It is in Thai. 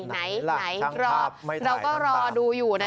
ไหนรอเราก็รอดูอยู่นะ